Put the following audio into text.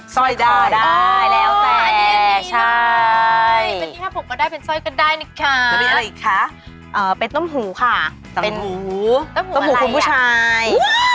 ซ่อยก่อได้แล้วแต่ใช่